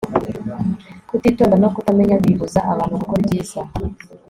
kutitonda no kutamenya bibuza abantu gukora ibyiza